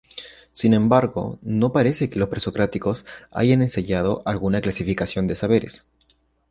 Sin embargo, no parece que los presocráticos hayan ensayado alguna clasificación de saberes.